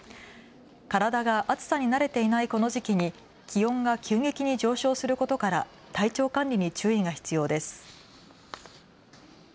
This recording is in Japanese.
体が暑さに慣れていないこの時期に気温が急激に上昇することから体調管理に注意が必要です。